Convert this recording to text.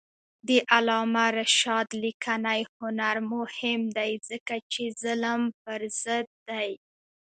د علامه رشاد لیکنی هنر مهم دی ځکه چې ظلم پر ضد دی.